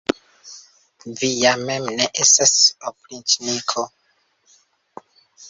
Vi ja mem ne estas opriĉniko!